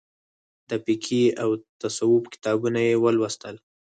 د فقهي او تصوف کتابونه یې ولوستل.